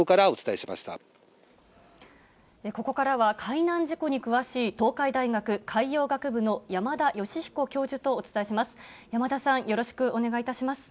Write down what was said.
ここからは、海難事故に詳しい東海大学海洋学部の山田吉彦教授とお伝えします。